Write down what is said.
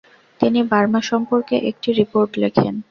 তিনি বার্মা সম্পর্কে একটি রিপোর্ট লেখেন।